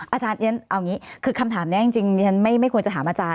อาจารย์คือคำถามนี้จริงฉันไม่ควรจะถามอาจารย์